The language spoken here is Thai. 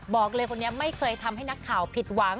บอกเลยคนนี้ไม่เคยทำให้นักข่าวผิดหวัง